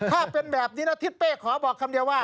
ถ้าเป็นแบบนี้นะทิศเป้ขอบอกคำเดียวว่า